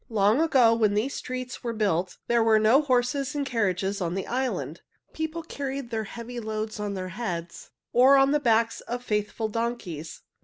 Long ago, when these streets were built, there were no horses and carriages on the island. People carried their heavy loads on their heads, or on the backs of faithful donkeys.